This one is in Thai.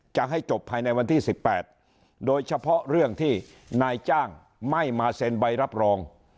จะให้จบภายในวันที่๑๘โดยเฉพาะเรื่องที่นายจ้างไม่มาเซ็นใบรับรอง